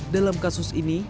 dalam kasus ini